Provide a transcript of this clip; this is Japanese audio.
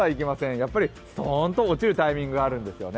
やっぱりストンと落ちるタイミングがあるんですよね。